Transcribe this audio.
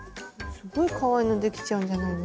すっごいかわいいのできちゃうんじゃないの？